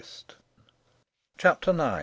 CHAPTER IX.